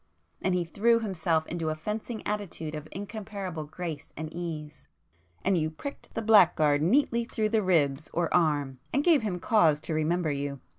and he threw himself into a fencing attitude of incomparable grace and ease—"and you pricked the blackguard neatly through the ribs or arm and gave him cause to remember you.